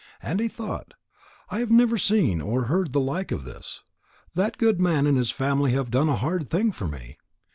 And he thought: "I have never seen or heard the like of this. That good man and his family have done a hard thing for me.